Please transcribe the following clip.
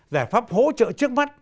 giải pháp hỗ trợ trước mắt